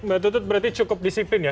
mbak tutut berarti cukup disiplin ya